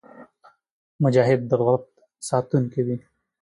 مجاهد د عفت ساتونکی وي.